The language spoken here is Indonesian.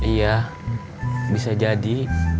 iya bisa jadi